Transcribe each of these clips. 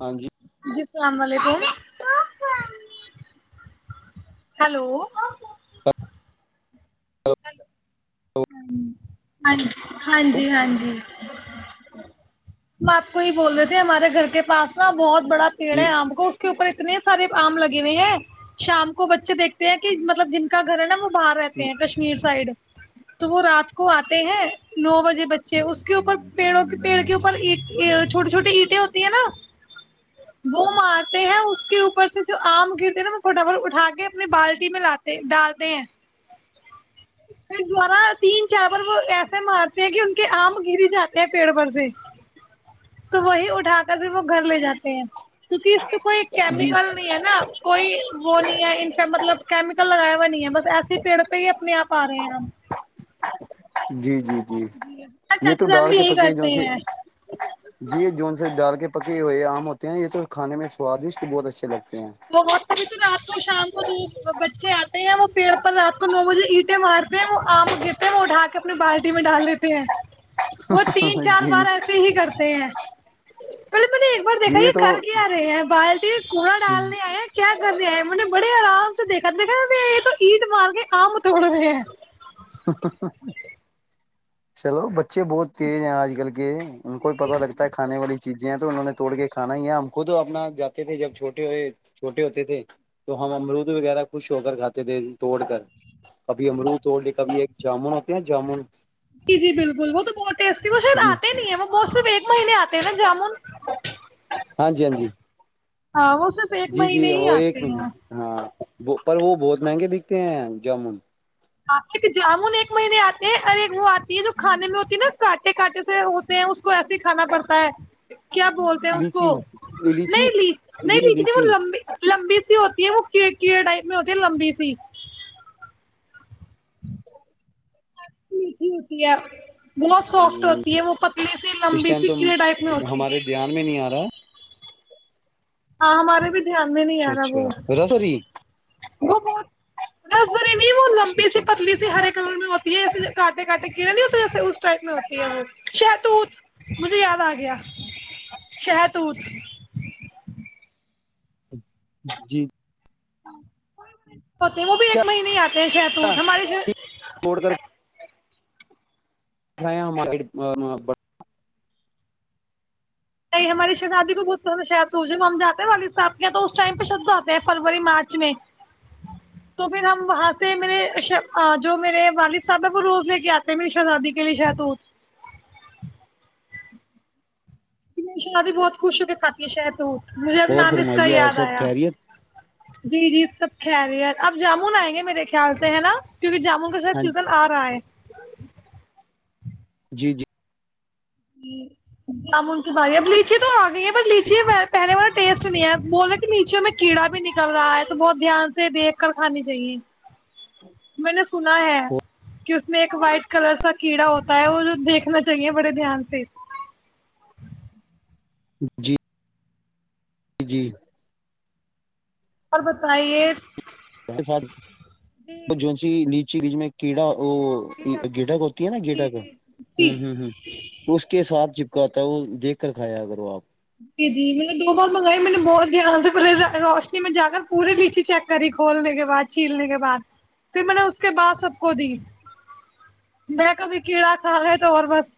ہاں جی اللام علیکم ہیلو ہلو ہ ہ ہاں جی ہاں جی ہم آپ کو ہی بول رہے تھے ہمارے گھر کے پاس نا بہت بڑا پیڑ ہے جی آم کو کے اوپر اتنے سارے آم لگے ہوئے ہیں شام کو بچے دیکھتے ہیں کہ مطلب جن کا گھر ہے نا وہ باہر رہتے ہیں کشمیر سائڈ تو وہ رات کو آتے ہیں نو بجے بچے اس کے اوپر پڑوں کے پیڑ کے اوپر چھوٹی چھوٹی اینٹیں ہوتی ہیں نا وہ مارتے ہیں اس کے اوپر سے جو آم گرتے ہیں نا وہ فوٹافھٹ اٹھا کے اپنی بالٹی میں لاتے ڈالتے ہیں دوارا تین چار بار وہ ایسے مارتے ہیں کہ ان کے آم گری جاتے ہیں پیڑ پر سے تو وہی اٹھا کر بھی وہ گھر لے جاتے ہیں کیونکہ تو کوئی جی کیمیکل نہیں ہے نا کوئی وہ نہیں ہے ان سے مطلب کیمیکل لگائے ہوئے بس ایسے پیڑ پہ ہی اپنے آپ آ رہے ہیں جی جی جی یہ تو چاچو جان ڈال بھی کے یہی پکے ج کرتے سے ہیں جی یہ جون سے ڈال کے پکے ہوئے آم ہوتے ہیں یہ تو کھانے میں سوادشٹ بہت اچھے لگتے ہیں وہ وقت بھی تو رات تو شام دو بچے آتے ہیں وہ پیڑ پر رات کو نو بجے اینٹیں مارتے ہیں وہ آم دیتے ہیں وہ اٹھا کے اپنی بالٹی میں ڈال دیتے ہیں وہ تین ہیں چار جی بار ایسے ہی کرتے ہیں پہلے میں نے ایک بار دیکھا یہ کرل کی آ رہے ہیں بالٹیین کوڑا ڈالنے آئے کیا کرنے آئے م نے بڑے آرام سے دیکھا دیکھا یہ تو عید مار کے آم توڑ گے چلو ب بچے بہت تیز ہیں آج کل کے ان کو ہی پت لگتا ہے کھانے والی چیزیں ہیں تو انہوں نے توڑ کے کھانا ہی ہے ہم خود اپنا جاتے تھے جب چھوٹے ہو چھوٹے ہوتے تھے تو ہم امرود وغیرہ خوش ہو کر کھاتے تھے توڑ کر کبھی امرود س کا بھی ایک جامن ہوتے نا جامن جی جی بالکل وہ تو بہت ٹیسٹی ہے وہ شاید جی آتے نہیں ہے وہ مسف ایک مہینے آتے نا جمن ہاں جی ہاں جی ایک جی جی مہینے ہی وہ ایک آتے مہین ہیں ہاں پر وہ بہت مہنگے بکتے ہیں جامن آ جامن ایک مہینے آتے ہیں ار وہ آتی ہے جو کھانے میں ہوتی ہے نا کانٹے کانٹے سے ہوتے ہیں اس کو ایسے ہی کھانا پڑتا ہے کیا بولتے ہیں اس کو لیچی لیچی نہیںچ نہیں لیچ وہ لیچی لمبی لمبی ہوتی ہے وہ کی ٹائپ میں ہوتی ہے لمبی سی ہ میٹھی ہوتی ہے بہت سافٹ ہوتی ہے وہ پتلی سی اس لمبی ٹائم سی تو کیڑے ٹائپ میں ہوتی ہمارے دھیان میں نہیں آ رہا ہاں ہمارے بھی ہمم نہیں اچھا یارا وہ اچھا رسری وہ بہت ری وہ لمبی سی اچھا اچھا پتلی سی ہر کلر میں ہوتی ہے ایے کاانٹے کاانٹے کیڑے نہیں ہوتے ایسے اس ٹائپ میں ہوتی ہے وہ شہتوت مجھے یاد آ گیا شہتوت جی ستے وہ بھی ایک اچھا مہینے ہی آ کہ سے ت ساری سے چھوڑ سں نہیں ہماری شہزادی کو بہت پسند شہ جب ہم جاتے ہیں والد صاحب کے تو اس ٹائم پہ شبد آتے ہیں فروری مارچ میں تو پھر ہم وہاں سے میرے جو میرے والد صاحب ہیں وہ روز لے کے آتے ہیں میری شہزادی کے لیے شہتوت ان شاء اللہ بھی بہت خوش ہو کے کھاتی ہے شاید وہ مجھے اب اور نام اس کا فرمائیے آپ یاد سب آیا خیریت جی جی سب خہری ہے اب جامن آئیں گے میرے خیال سے ہے نا کیونکہ جامن کا شاید ہاں چزن آ رہا ہے جی جی جامن کی باری اب لیچی تو آ گئی ہے ب لیچی پہلے والا ٹیسٹ نہیں ہے بول رہے کہ لیچیوں میں کیڑا بھی نکل رہا ہے تو بہت دھیان سے دیکھ کر کھانی چاہیے میں نے سنا ہے کہ اس میں ایک وائٹ کلر سا کیڑا ہوتا ہے وہ جو دیکھنا چاہیے بڑے دھیان سے جی جی اور بتائیے ساتھ جی جونسی نیچ چی بیز میں کیڑا وہ جی سب گٹک ہوتی ہے نا جی گیٹک جی ہ جی ہ ہ تو اس کے ساتھ کاتا ہے وہ دیکھ کر کھایا اگر وہ آپ جی جی میں نے دو بار منگائی نے بہت دھیان سے پے روشنی میں جا کر پورے لیچی چیک کری کھولنے کے بعد چھیلنے کے بعد پھر میں نے اس کے بعد سب کو دی میں کبھی کیڑا کھا گ تو اور بس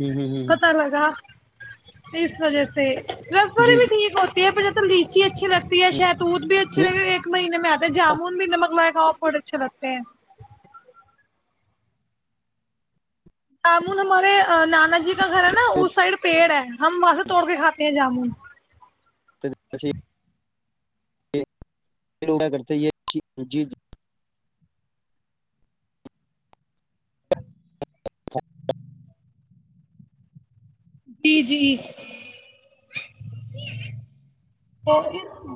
ہوں ہ ہ پتہ لگا اس وجہ سے روری جی جی بھی ٹھیک ہو پ پ لیچی اچھی لگتی ہےایدت دود بھی اچھی لگ ایکہینے میں جامن بھی مگ م ہاپڈ اچھا لگتے ہیں جامن ہمارے نانا جی کا گھر ہے نا اس سائڈ پیڑ ہے ہم وہاں سے توڑ کے کھاتے ہیں جامن کرتے یہ ج بہار کی اوج عا رہی ہے جی جی اور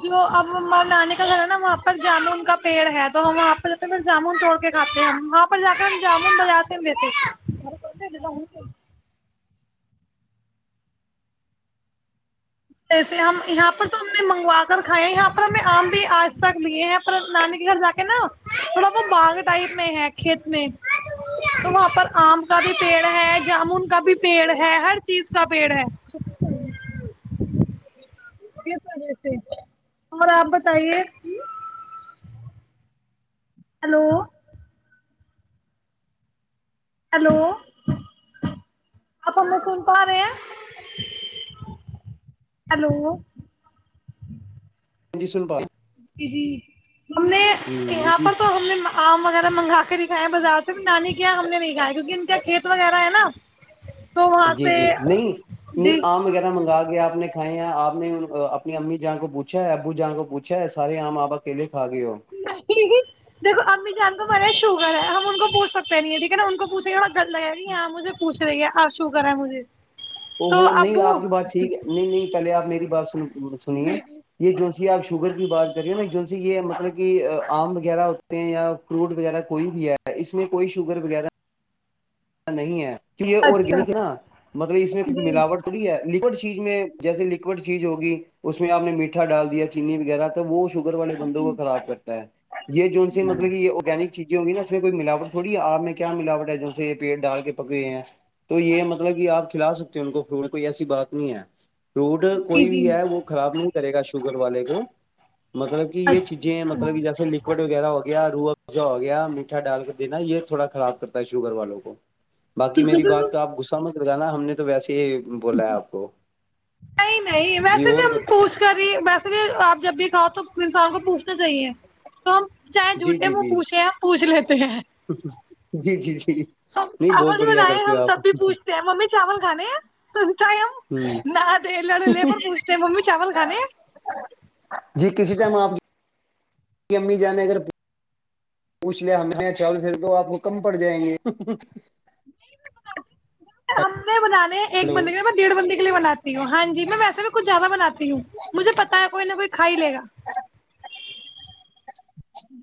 جو اب ہمار نانی کا گھر ہے نا وہاں پر جامن کا پیڑ ہے تو ہم وہاں پ جات جامن توڑ کے کھاتے ہیں وہاں پر جا کے ہم جامن بجاتے جسے ہم یہاں پر تو ہم نے منگوا کر کھائے ہیں یہاں پر ہمیں آم بھی آج تک لیے ہیں پر نانی کے گھر جا کے نا تھوڑا وہ باغ ٹائپ میں ہے کھیت میں تو وہاں پر آم کا بھی پیڑ ہے جامن کا بھی پیڑ ہے ہر چیز کا پیڑ ہے کس وجہ سے اور آپ بتائیے ہیلو ہلو آپ م فوم پا رہے ہیں ہلو ہاں جی سن پال جری ہم نے یہاں جی پر تو ہم نے آؤ مگر منگا کر نہیںکھایا بازار سے نانی کیا ہم نے نہیں کایا کیونکہ ان کا کھیت وغیرہ ہے نا تو وہاں جی سے جی جی آگے آپ نے کھائے ہیں آپ نے اپنی امی جہاں کو پوچھا ہے ابو جہاں کو پوچا سارے آام آپ اکیلے کھا گئے ہو نہیں دیکھو امی جنگ مارے شو ہم ان کو پوچ سکتے نہیں ٹھیک ہےا ان کو پوچھ گا لای یہاں مجھے پوھ رہی ہے آپ شو کرا مجھے ا وہ تو نہیں ابو آپ کی بات ٹھیک ہے نہیں نہیں پہلے آپ نہیں بس میں سنیے یہ جو ج آپ شوگر کی بات کر رہی ہو نا جن سے یہ مطلب کہ آم وغیرہ ہوتے ہیں یا فروٹ وغیرہ کوئی بھی ہے اس میں کوئی شوگر وغیرہ نہیں ہے کہ یہ اچھا آرگینک ہے نا مطلب اس میں ایک جی ملاوٹ تھوڑی ہے لکوڈ چیز میں جیسے لکوڈ چیز ہوگی اس میں آپ نے میٹھا ڈال دیا چینی وغیرہ تو وہ شوگر والے بندوں جی کو خراب کرتا ہے یہ جوون سے مطلب یہ آرگینک چیزیں ہ گی نا اس میں کوئی ملاوٹ تھوڑی آپ میں کیا ملاوٹ ہے جو پیٹ ڈال کے پکے ہیں تو یہ مطلب کہ آپ کھلا سکتے ہیں ان کو فروٹ کوئی ایسی بات نہیں ہے روڈ جی کوئی جی بھی ہے وہ خراب نہیں کرے گا شوگر والے کو مطلب کہ یہ اچھا چیزیں ہیں مطلب ہاں کہ جیسے لکوڈ وغیرہ ہو گیا رواا ہو گیا میٹھا ڈال کر دینا یہ تھوڑا خراب کرتا ہے کر ل بقی میری بات کا آپ غصہ م جانا ہم نے تو ویسے ہی بولا ہے آپ کو نہیں نہیں جی ویسے بھی اور ہم بت- پوچھ کری ویسے بھی آپ جب بھی کھاؤ تو انسان کو پوچھ تو صحیح ہے تو ہم چاہے جی جھوٹے جی وہ جی پوچھے ہمپ پوچھ لیتے ہیں جی جی جی نہیں بہت چاول بھی بڑھیا بنائے کرتے ہم ہو آپ تب بھی پوچھتے ہیں ممی چاول کھانے ہیں تو ہ نہ دے لڑو لے پر پوچھتے ممی چاول کھانے جی کسی ٹائم آپ امی جانے اگر پوچھ لیا ہم نے چاول پھر دو آپ کو کم پڑ جائیں گے ہم بنان ایک ہلو بندے کےے میں ڈڑھ بندے کے لی باتی ہوں ہاں جی میں ویسے کچ زیادہ بناتی ہوں مجھے پتا ہے کوئی نہ کوئی کھاائی لے گا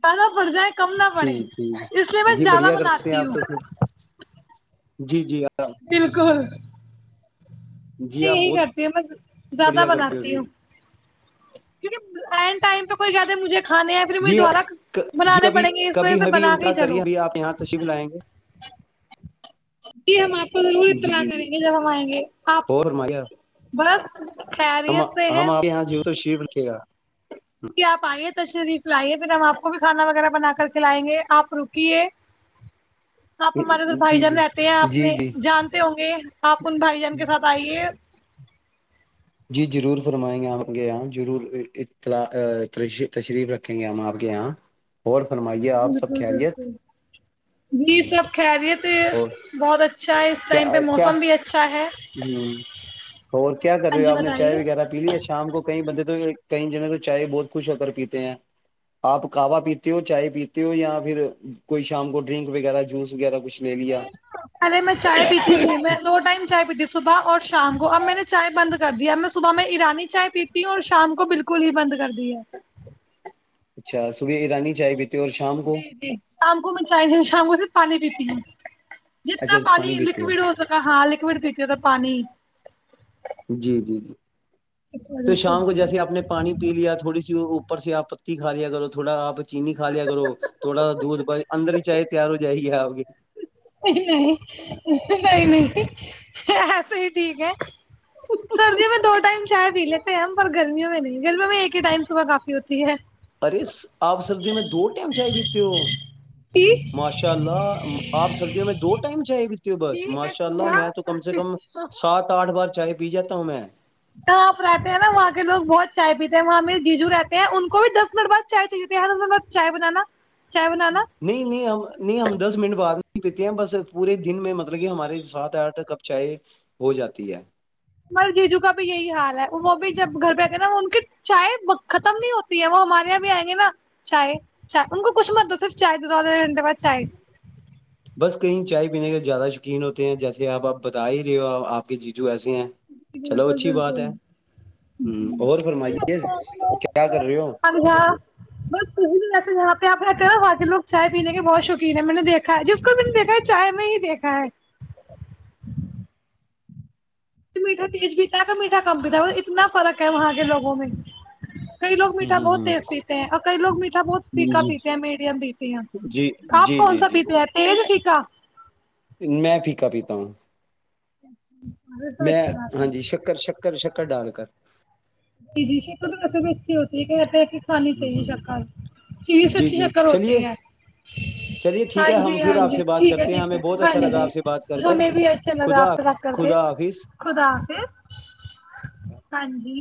پہا پڑ جائے کم نہ پڑے ٹھیک اس لیے ٹھیک میں یہی زیادہ بڑھیا کرتےتے ہیں بناتی آپ ہوں کو جی جی آپ بالکل جی میں آپ یہی بہت کرتی ہوں میں زیادہ بڑھیا کرتے ہو بناتی جی ہوں کیک ٹائم پہ کوئی ج مجھے کھانے پھر مے جی دوبارہ جی بنانے کبھی پڑیں گے اس وجہ کبھی سے ابھی بنا کے ہی انتظار کریے چلو ابھی آپ یہاں تشریف لائیں گے جی ہم آپ کو ضرور جی اطلاع جی جی کریں گے جب ہم آئیں گے آپ اور فرمائیے بس خیریت سے ہے چھا کہ آپ آئیے ت شریف لئی پھر ہم آپ کو بھی کھانا وغیرہ بنا کر کھلائیں گے آپ رکیے آپ ہمارے ادھر بھائی جی جی جان رہتے ہیں جی آپنے جی جانتے ہوں گے آپ ان بھائی جان کے ساتھ آئیے جی ضرور فرمائیں گے آپ کے یہاں ضرور اطلا تشریف رکھیں گے ہم آپ کے یہاں اور جی جی فرمائیے آپ سب بالکل خیریت بالکل جی سب کہ رہیے تو اور بہت اچھا ہے اس کیا ٹائم پہ کیا موسم بھی اچھا ہے ہ اور کیا کر ہاں رہے ہو جی آپ نے چائے بتائیے وغیرہ پی لی ہے شام کو کئی بندے تو کئی جنے تو چائے بہت خوش ہو کر پیتے ہیں آپ کوا پیتے ہو چائے پیتے ہو یا پھر کوئی شام کو ڈرنک وغیرہ جوس وغیرہ کچھ لے لیا نہیںے میں چائے پیتی تھی میں دو ٹائم چائے پیتیھی صبح اور شام کو اب میں نے چائے بند کر دیا میں صبح میں ایرانی چائے پیتی ہوں اور شام کو بالکل ہی بند کر دی ہے اچھا سوبح ایرانی چائے بھی جی جی شام کو میں چاہتی ہوں شام کو صرف پانی پیتی ہوں جتنا پانی لکوڈ ہو سکا ہاں لکوڈ پیتے ہو تو پانی جی جی جی اس تو وجہ سے شام کو جیسے آپ نے پانی پی لیا تھوڑی سی سے آپ پتی کا لیا کرو تھوڑا آپ چینی کا لیا کرو تھوڑا سا دودھ پ اندر ہی چائے تیار ہو جائے گ آپگی نہیں نہیں نہیں نہیں ایسے ہی ٹھیک ہے سردی میں دو ٹائم چائے پی لیتے ہم پر گرمیوں میں نہیں گرمیوں میں ایک ہی ٹائم صبح کافی ہوتی ہے ارے اس آپ سردی میں دو ٹائم چائے پیتے ہو جی ماشاء اللہ آپ سردیوں میں دو ٹائم چاہیے بھی ت ہو بس جی ایک ماشاء اللہ میں تو کم سے سے کم صبح سات آٹھ بار چاہے پی جاتتا ہوں میں تو آپ رہتے ہیں نا وہاں کے لوگ بہت چائے پیتے ہیں وہاں میرے جیجو رہتے ہیں ان کو بھی دس منٹ بعد چائے چاہیتی ہے نا س چائے بنانا چائے بنانا نہیں نہیں ہم نہیں ہم دس منٹ بعد پیتی ہیں بس پورے دن میں مطلب کہ ہماراری سات آٹھ کپ چائے ہو جاتی ہے مل جیجو کا بھی یہی حال ہے وہ وہ بھی ج گھر پہ آئ گے نا ان کی چائے ختم نہیں ہوتی ہے وہ ہمارے یہاں بھی آئیں گے نا چائے چائے ان کو کچھ مت تو صرف چائے دو دو دوے گھنٹے بعد چائے بس کہیں چائے پینے کے زیادہ شیقین ہوتے ہیں جیسے آپ آپ بتا ہی رہے ہو آپ کے جیجو ایسے ہیں جی چلو بالکل اچھی بات ہے ہ اور فرمائیے کیا کر رہے ہو بالکل ج بس بھی یہاں پہ آپ رہتے ہیں نا وہاں سے لوگ چائے پینے کے بہت شوقین ہے میں نے دیکھا ہے جس کو میں نے دیکھا ہے چائے میں ہی دیکھا ہے میٹھا تیز پیتا ہے کہ میٹھا کم پیتا ہے اتنا فرق ہے وہاں کے لوگوں میں کئی لوگ ہوں میٹھا ہوں بہت ہوں تیز پیتے ہیں اور کئی لوگ میٹھا بہت پکا جی پیتے ہیں میڈیم پیتے ہیں جی آپ جی کون جی سا جی پیتے ہیں تیز ھا میں پھیکا پیتا ہوں کیا میں ہاں جی شکر شکر شکر کا ڈال کر جی جی ش کس ا ہوتی ہے کہتے ہیں کہ کھانی ہوں چاہیے ہوں شکر چیز جی اچھی جی شکر چلیے ہوتی ہے چلیے ٹھیک ہاں ہے ہم جی پھر ہاں آپ جی سے بات ٹھیک ہے کرتے ہیں ٹھیک ہمیں ہے بہت ہاں اچھا لگا جی آپ سے بات کر کر ہمیں بھی اچھا لگا خدا آفط رکھ کر کے خدا حافظ خداف ہاں جی